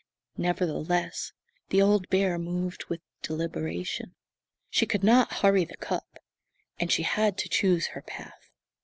Nevertheless, the old bear moved with deliberation. She could not hurry the cub; and she had to choose her path.